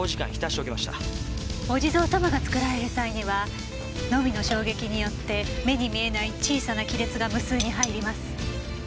お地蔵様が作られる際にはノミの衝撃によって目に見えない小さな亀裂が無数に入ります。